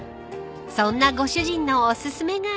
［そんなご主人のお薦めが］